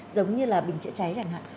giống như là bình chữa cháy đành hạn